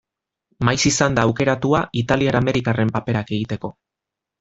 Maiz izan da aukeratua italiar-amerikarren paperak egiteko.